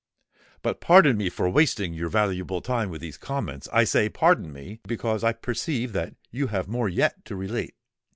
But pardon me for wasting your valuable time with these comments:—I say, pardon me—because I perceive that you have more yet to relate."